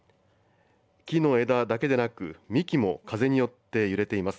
木の枝だけでなく幹も風によって揺れています。